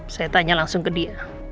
saya tanya langsung ke dia